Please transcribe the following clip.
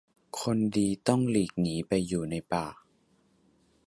คนดีต้องหลีกหนีไปอยู่ในป่า